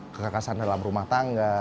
kegagasan dalam rumah tangga